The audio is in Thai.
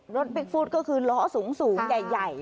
รถพลิกฟู้ดก็คือล้อสูงใหญ่